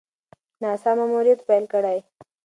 ناسا ماموریت پیل کړی.